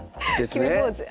決めポーズ。